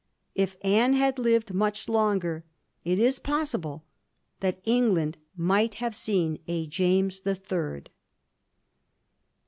If Anne had lived much longer, it is possible that England might have seen s, James the Third.